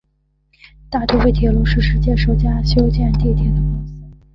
大都会铁路是世界首家修建地铁的公司。